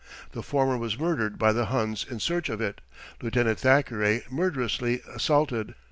The former was murdered by the Huns in search of it, Lieutenant Thackeray murderously assaulted.